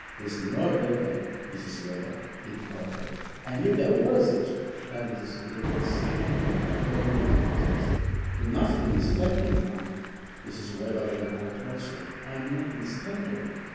"There's no red light, Mrs. Webber," he called out. "I knew there wasn't," cried Mrs. Gilroy, sitting down, evidently exhausted. "You must be mistaken, ma'am." Mrs. Webber ran out also. "I am not mistaken.